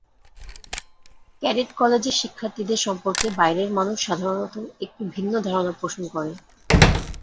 Cadet কলেজের শিক্ষার্থীদের সম্পর্কে বাইরের মানুষ সাধারণত একটু ভিন্ন ধারণা পোষণ করে।